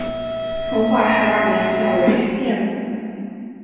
成化十二年改为寻甸府。